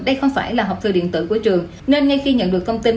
đây không phải là học thư điện tử của trường nên ngay khi nhận được thông tin